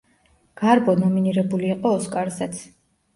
გარბო ნომინირებული იყო ოსკარზეც.